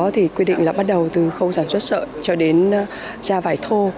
thì quy định là bắt đầu từ khâu sản xuất sợi cho đến ra vải thô